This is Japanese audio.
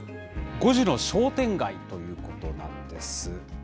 ５時の商店街ということなんです。